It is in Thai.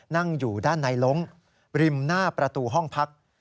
นั่งอยู่ด้านในล้งริมหน้าประตูห้องพัก